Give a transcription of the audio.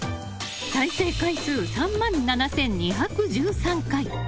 再生回数３万７２１３回。